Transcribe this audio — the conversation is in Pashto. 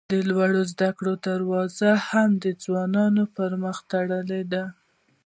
د لوړو زده کړو دروازې هم د ځوانانو پر مخ تړلي دي.